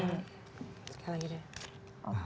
cek lagi deh